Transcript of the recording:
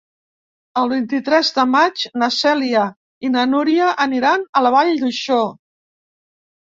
El vint-i-tres de maig na Cèlia i na Núria aniran a la Vall d'Uixó.